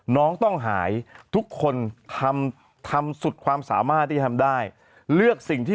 น้องต้องหายทุกคนทำทำสุดความสามารถที่ทำได้เลือกสิ่งที่